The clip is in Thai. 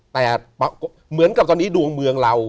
แต่เหมือนกับตอนนี้ดวงเมืองเรา